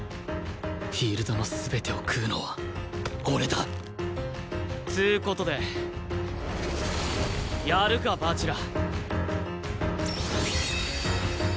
フィールドの全てを喰うのは俺だ！つう事でやるか蜂楽。